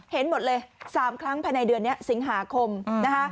เห็นหมดเลย๓ครั้งภายในเดือนนี้สิงหาคมนะคะ